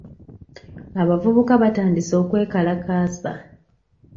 Abavubuka batandise okwekalakaasa.